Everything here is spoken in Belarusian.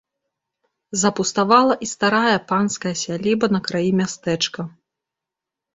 Запуставала і старая панская сяліба на краі мястэчка.